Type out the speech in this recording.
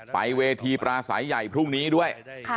ไปเวทีปราศัยใหญ่พรุ่งนี้ด้วย